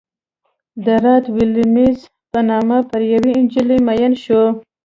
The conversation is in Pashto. د رات ویلیمز په نامه پر یوې نجلۍ مین شو.